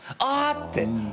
あっ！って。